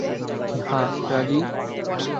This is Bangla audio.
হ্যাঁ - রাজি?